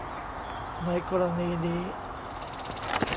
ในกรณีนี้